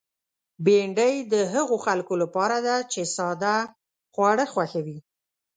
بېنډۍ د هغو خلکو لپاره ده چې ساده خواړه خوښوي